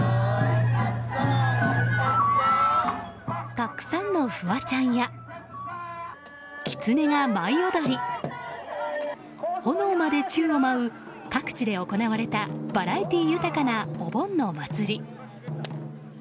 たくさんのフワちゃんやキツネが舞い踊り炎まで宙を舞う各地で行われたバラエティー豊かなお盆のお祭り。